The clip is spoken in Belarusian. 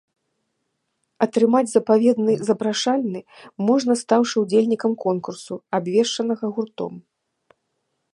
Атрымаць запаветны запрашальны можна, стаўшы ўдзельнікам конкурсу, абвешчанага гуртом.